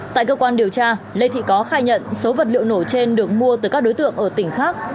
tại cơ quan điều tra lê thị có khai nhận số vật liệu nổ trên được mua từ các đối tượng ở tỉnh khác